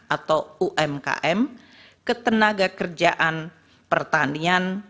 atau umkm ketenaga kerjaan pertanian